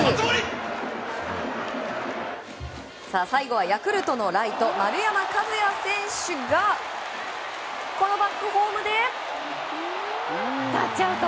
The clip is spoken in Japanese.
最後はヤクルトのライト丸山和郁選手がこのバックホームでタッチアウト！